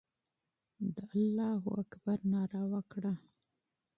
د الله اکبر ناره وکړه.